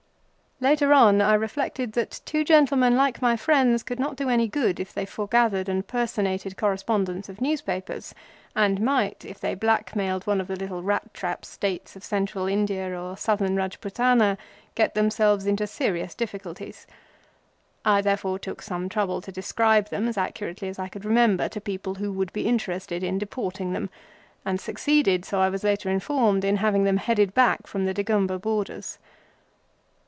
Later on I reflected that two gentlemen like my friends could not do any good if they foregathered and personated correspondents of newspapers, and might, if they "stuck up" one of the little rat trap states of Central India or Southern Rajputana, get themselves into serious difficulties. I therefore took some trouble to describe them as accurately as I could remember to people who would be interested in deporting them; and succeeded, so I was later informed, in having them headed back from the Degumber borders.